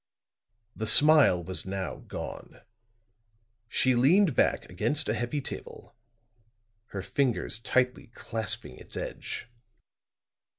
The smile was now gone; she leaned back against a heavy table, her fingers tightly clasping its edge.